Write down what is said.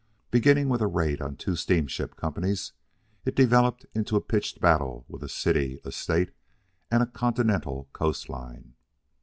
Beginning with a raid on two steamship companies, it developed into a pitched battle with a city, a state, and a continental coastline.